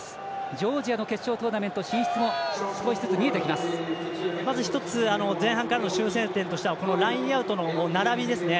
ジョージアの決勝トーナメント進出も１つ前半からの修正点としてはラインアウトの並びですね。